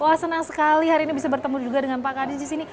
wah senang sekali hari ini bisa bertemu juga dengan pak kadin di sini